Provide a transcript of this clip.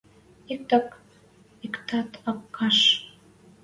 иктӓт ак каш.